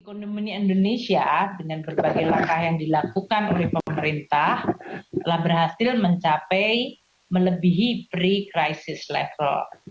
ekonomi indonesia dengan berbagai langkah yang dilakukan oleh pemerintah telah berhasil mencapai melebihi pre crisis level